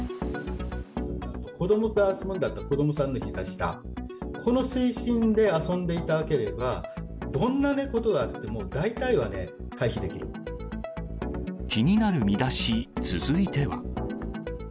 子どもと遊ぶなら、子どもさんのひざ下、この水深で遊んでいただければ、どんなことがあって気になるミダシ、続いては。